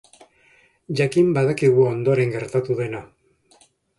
Jakin badakigu ondoren gertatu dena.